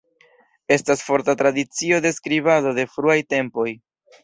Estas forta tradicio de skribado de fruaj tempoj.